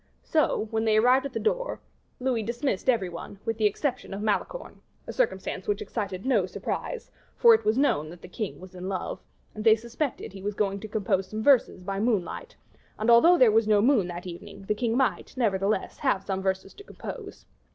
So, when they arrived at the door, Louis dismissed every one, with the exception of Malicorne a circumstance which excited no surprise, for it was known that the king was in love; and they suspected he was going to compose some verses by moonlight; and, although there was no moon that evening, the king might, nevertheless, have some verses to compose.